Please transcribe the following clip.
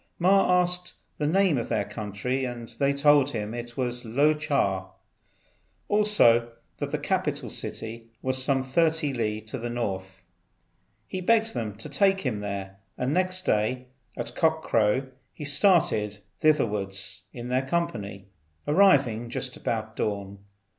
Ma asked the name of their country, and they told him it was Lo ch'a. Also that the capital city was some 30 li to the north. He begged them to take him there, and next day at cock crow he started thitherwards in their company, arriving just about dawn.